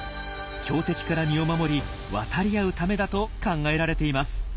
強敵から身を守り渡り合うためだと考えられています。